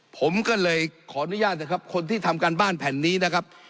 ผมก็เลยขออนุญาตนะครับคนที่ทำการบ้านแผ่นนี้นะครับ